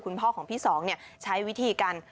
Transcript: คุณพ่อของพี่สองเนี่ยใช้วิธีการ